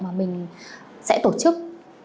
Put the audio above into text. mà mình sẽ tổ chức